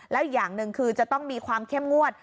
แล้วอย่างหนึ่งคือจะต้องมีความเข้มงวด